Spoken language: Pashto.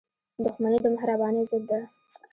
• دښمني د مهربانۍ ضد ده.